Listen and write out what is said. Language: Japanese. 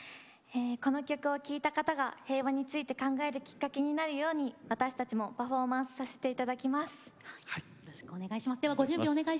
この曲を聴いた方が平和について考えるきっかけになるように私たちもパフォーマンスさせていただきます。